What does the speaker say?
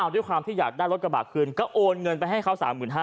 ด้วยความที่อยากได้รถกระบะคืนก็โอนเงินไปให้เขา๓๕๐๐